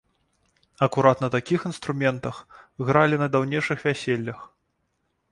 Акурат на такіх інструментах гралі на даўнейшых вяселлях.